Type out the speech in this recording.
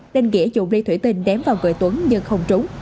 nên nghĩa dùng ly thủy tinh vào người tuấn nhưng không trúng